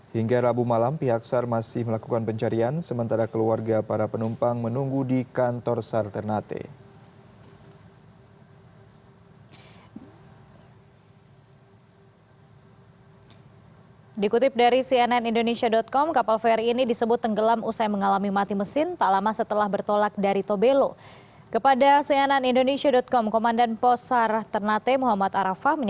hingga rabu malam pihak sar masih melakukan pencarian sementara keluarga para penumpang menunggu di kantor sar ternate